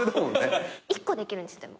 １個できるんですでも。